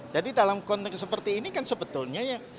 jadi dalam konteks seperti ini kan sebetulnya ya